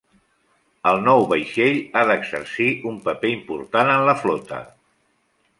El nou vaixell ha d'exercir un paper important en la flota.